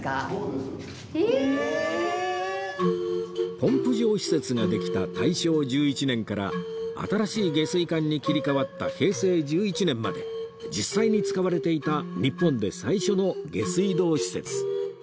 ポンプ場施設ができた大正１１年から新しい下水管に切り替わった平成１１年まで実際に使われていた日本で最初の下水道施設